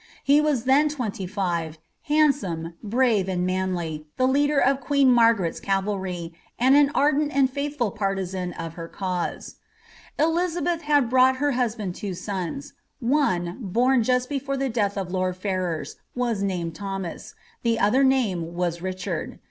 He was then twenty five, handsome, brave, and manly, the ler of queen Margaret's cavalry, a(id an ardent and faithful partisan of her cause. Elizabeth had brought her husband two sons ; one, bom jmt before the death of lord Ferrers, was named Thomas, the other's name was Richard.